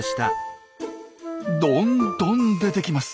どんどん出てきます。